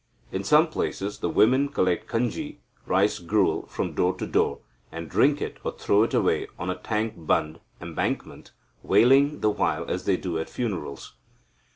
In some places, the women collect kanji (rice gruel) from door to door, and drink it, or throw it away on a tank bund (embankment), wailing the while as they do at funerals.